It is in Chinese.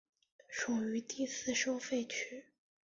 属于第四收费区。